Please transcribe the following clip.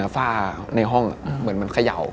ฝ้าในห้องเหมือนคยาว